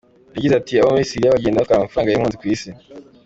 Yagize ati “Abo muri Siriya bagenda batwara amafaranga y’impunzi ku isi.